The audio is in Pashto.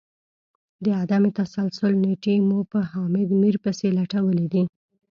د عدم تسلسل نیټې مو په حامد میر پسي لټولې دي